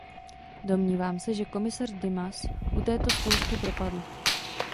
Domnívám se, že komisař Dimas u této zkoušky propadl.